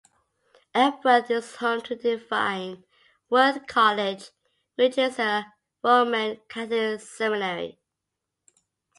Epworth is home to Divine Word College, which is a Roman Catholic seminary.